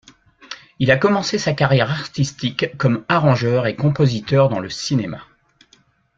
Il a commencé sa carrière artistique comme arrangeur et compositeur dans la cinéma.